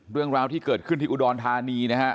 เรื่องราวที่เกิดขึ้นที่อุดรธานีนะฮะ